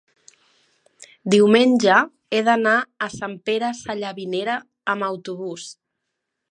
diumenge he d'anar a Sant Pere Sallavinera amb autobús.